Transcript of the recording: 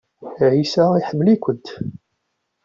Ɛisa iḥemmel-ikent.